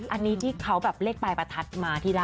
อันนี้ที่เขาเล็กปลายประทัดมาที่ได้